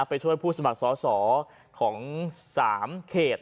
ไปช่วยผู้สมัครสอสอของ๓เขต